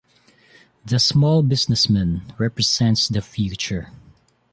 The "Small Businessman" represents the future.